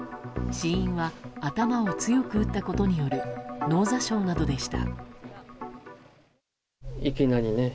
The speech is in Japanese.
死因は頭を強く打ったことによる脳挫傷などでした。